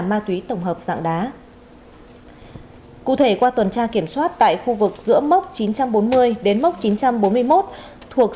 ma túy tổng hợp dạng đá cụ thể qua tuần tra kiểm soát tại khu vực giữa mốc chín trăm bốn mươi đến mốc chín trăm bốn mươi một thuộc